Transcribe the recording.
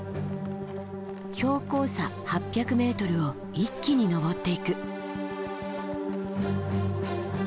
標高差８００ｍを一気に登っていく。